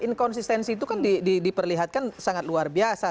inkonsistensi itu kan diperlihatkan sangat luar biasa